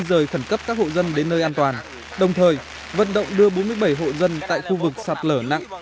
dời khẩn cấp các hộ dân đến nơi an toàn đồng thời vận động đưa bốn mươi bảy hộ dân tại khu vực sạt lở nặng